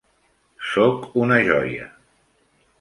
Soc una joia.